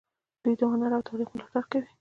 دوی د هنر او تاریخ ملاتړ کوي.